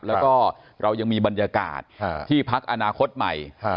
แล้วก็เรายังมีบรรยากาศที่พักอนาคตใหม่